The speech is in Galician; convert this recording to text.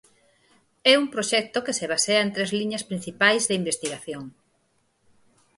É un proxecto que se basea en tres liñas principais de investigación.